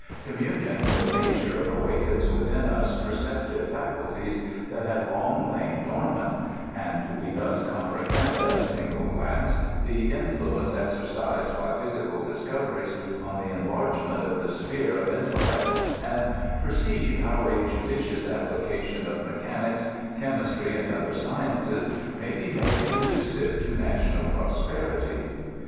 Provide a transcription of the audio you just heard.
Communion with nature awakens within us perceptive faculties that had long lain dormant ; and we thus comprehend at a single glance the influence exercised by physical discoveries on the enlargement of the sphere of intel lect, and perceive how a judicious application of mechanics, chemistry, and other sciences may be made conducive to na tional prosperity.